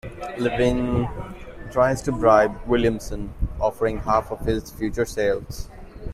Levene tries to bribe Williamson, offering half of his future sales.